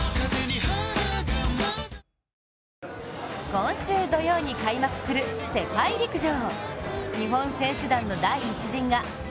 今週土曜に開幕する、世界陸上。